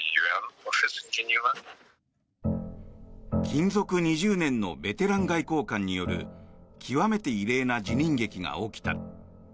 勤続２０年のベテラン外交官による極めて異例な辞任劇が起きた。